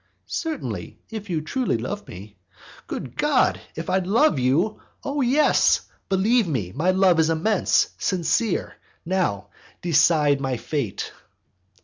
"Certainly, if you truly love me." "Good God! if I love you? Oh, yes! believe me, my love is immense, sincere! Now, decide my fate."